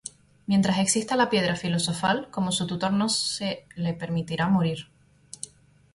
Mientras exista la Piedra Filosofal, como su tutor no se le permitirá morir.